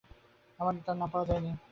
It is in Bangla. তার নাম পাওয়া যায়নি।